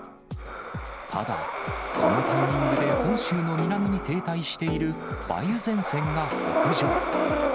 ただ、このタイミングで本州の南に停滞している梅雨前線が北上。